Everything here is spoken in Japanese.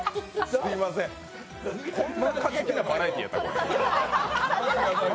すいません、こんな過激なバラエティーやったん。